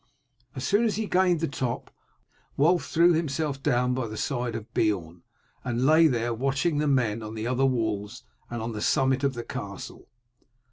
As soon as he gained the top Wulf threw himself down by the side of Beorn, and lay there watching the men on the other walls and on the summit of the castle.